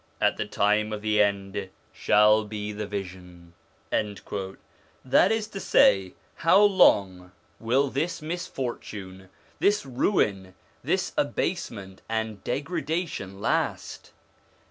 at the time of the end shall be the vision/ That is to say, how long will this misfortune, this ruin, this abasement and degradation last